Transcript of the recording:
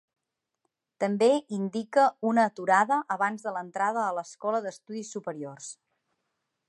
També indica una aturada abans de l'entrada a l'escola d"estudis superiors.